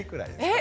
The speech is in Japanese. え？